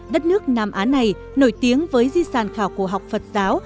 đất nước nam á này nổi tiếng với di sản khảo cổ học phật giáo